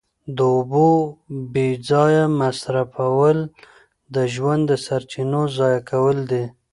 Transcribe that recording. د اوبو بې ځایه مصرفول د ژوند د سرچینې ضایع کول دي.